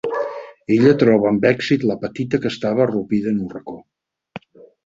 Ella troba amb èxit la petita que estava arrupida en un racó.